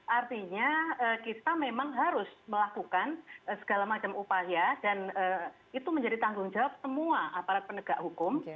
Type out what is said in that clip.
artinya kita memang harus melakukan segala macam upaya dan itu menjadi tanggung jawab semua aparat penegak hukum